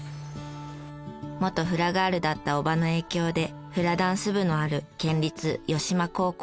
元フラガールだったおばの影響でフラダンス部のある県立好間高校へ進学。